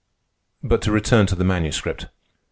But to return to the Manuscript.